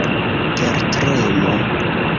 tertremo